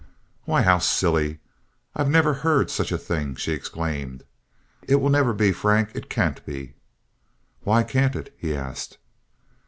"Why, how silly! I never heard of such a thing!" she exclaimed. "It will never be, Frank. It can't be!" "Why can't it?" he asked.